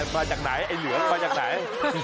มาจากไหนไอ้หลวงมาจากไหน